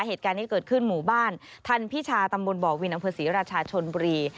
เหตุการณ์นี้เกิดขึ้นหมู่บ้านทันพิชาตำบลบ่อวินอำเภอศรีราชาชนบุรี